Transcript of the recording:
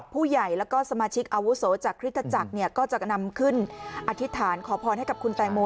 ผู้ใหญ่แล้วก็สมาชิกอาวุโสจากคริสตจักรก็จะนำขึ้นอธิษฐานขอพรให้กับคุณแตงโม